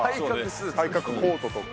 体格コートとか。